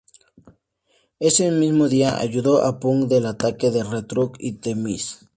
Ese mismo día, ayudó a Punk del ataque de R-Truth y The Miz.